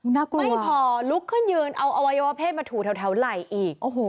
น่ากลัวไม่พอลุกขึ้นยืนเอาอวัยวะเพศมาถูแถวไหล่อีก